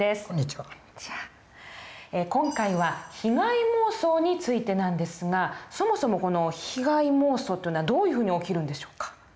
今回は被害妄想についてなんですがそもそもこの被害妄想というのはどういうふうに起きるんでしょうか？